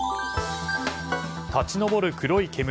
立ち上る黒い煙。